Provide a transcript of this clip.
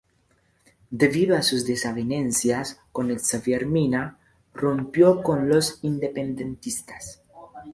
Debido a sus desavenencias con Xavier Mina rompió con los independentistas.